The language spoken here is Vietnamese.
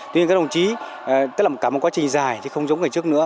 nhưng các đồng chí tức là cả một quá trình dài không giống ngày trước nữa